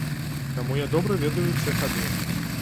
Таму я добра ведаю ўсе хады.